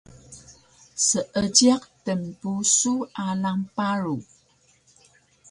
Seejiq tnpusu alang paru